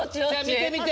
見て見て。